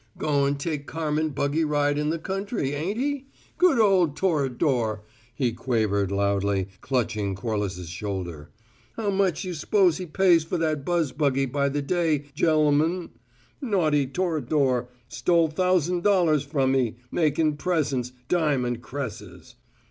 "Goin' take Carmen buggy ride in the country, ain't he? Good ole Tor'dor!" he quavered loudly, clutching Corliss's shoulder. "How much you s'pose he pays f' that buzz buggy by the day, jeli'm'n? Naughty Tor'dor, stole thousand dollars from me makin' presents diamond cresses.